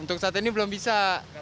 untuk saat ini belum bisa